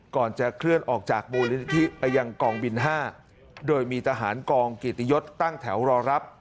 ก่อนจะเคลื่อนออกจากบริษฐิอัยังกองบินห้าโดยมีทหารกองกิตยศตั้งแถวรอรับ